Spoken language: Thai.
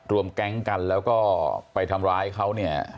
รวมแก๊งกันแล้วไปทำร้ายเขา